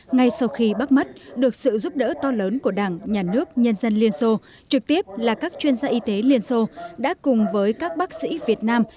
ngay sau khi bắt mắt được sự giúp đỡ to lớn của đảng nhà nước nhân dân liên xô trực tiếp là các chuyên gia y tế liên xô đã cùng với các bác sĩ việt nam